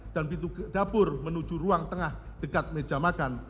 dan pintu dapur menuju ruang tengah dekat meja makan